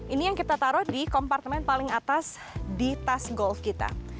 ini yang kita taruh di kompartemen paling atas di tas golf kita